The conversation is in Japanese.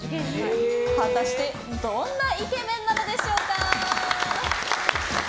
果たしてどんなイケメンなのでしょうか？